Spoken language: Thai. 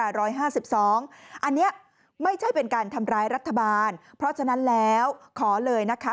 อันนี้ไม่ใช่เป็นการทำร้ายรัฐบาลเพราะฉะนั้นแล้วขอเลยนะคะ